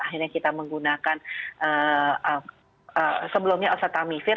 akhirnya kita menggunakan sebelumnya osetamivir